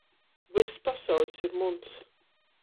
Vyss pasauļs ir muns.